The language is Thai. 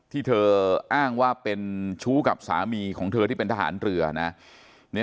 ที่เธออ้างว่าเป็นชู้กับสามีของเธอที่เป็นทหารเรือนะ